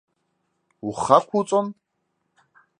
Ухы ақәуҵон?